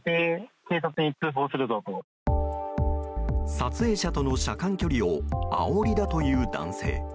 撮影者との車間距離をあおりだという男性。